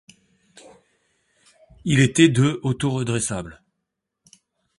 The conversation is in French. Il était de auto-redressable.